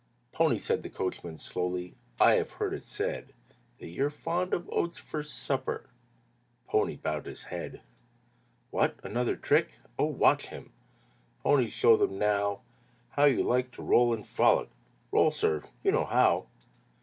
"Pony," said the coachman, slowly, "I have heard it said That you're fond of oats for supper;" Pony bowed his head. "What! Another trick! Oh, watch him!" "Pony, show them now How you like to roll and frolic; Roll, sir! You know how!"